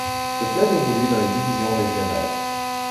Le club évolue dans les divisions régionales.